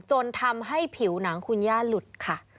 จนทำให้ผิวหนังคุณย่าหลุดค่ะ